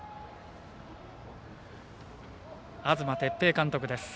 東哲平監督です。